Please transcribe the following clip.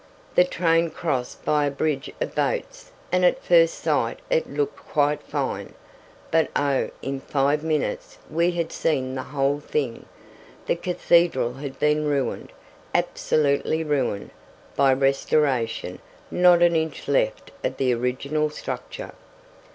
"The train crossed by a bridge of boats, and at first sight it looked quite fine. But oh, in five minutes we had seen the whole thing. The cathedral had been ruined, absolutely ruined, by restoration; not an inch left of the original structure.